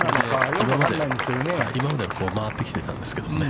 ◆今までは回ってきてたんですけどね。